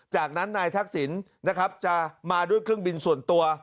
จากนั้นนายทักษิณนะครับจะมาด้วยเครื่องบินส่วนตัว